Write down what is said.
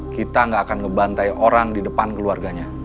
kita gak akan ngebantai orang di depan keluarganya